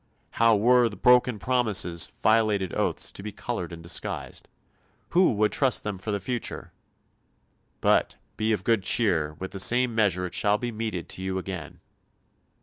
How were broken promises, violated oaths, to be coloured and disguised? Who would trust them for the future? "But be of good cheer, with the same measure it shall be meted to you again."